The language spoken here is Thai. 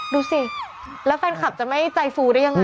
ดูสิแล้วแฟนคลับจะไม่ใจฟูได้ยังไง